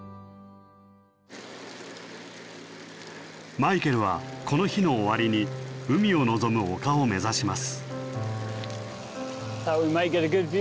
マイケルはこの日の終わりに海を望む丘を目指します。